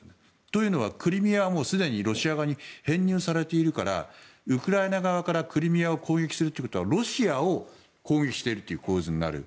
というのはクリミアはすでにロシア側に編入されているからウクライナ側からクリミアを攻撃するということはロシアを攻撃しているという構図になる。